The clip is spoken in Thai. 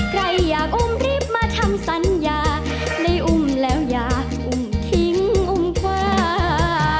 ใครอยากอุ้มรีบมาทำสัญญาได้อุ้มแล้วอย่าอุ้มทิ้งอุ้มคว้า